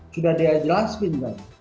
sudah dia jelaskan